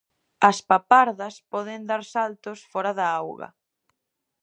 As papardas poden dar saltos fóra da auga.